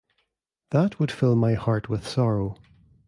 That would fill my heart with sorrow.